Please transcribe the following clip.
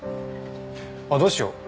あっどうしよう。